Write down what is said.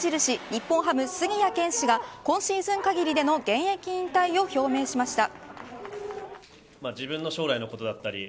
日本ハム杉谷拳士が今シーズン限りでの現役引退を表明しました。